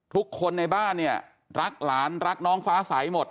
ทุกคนในบ้านรักหลานรักน้องฟ้าสัยหมด